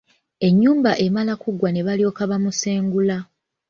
Ennyumba emala kuggwa ne balyoka bamusengula.